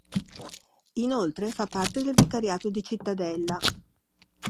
Inoltre, fa parte del vicariato di Cittadella.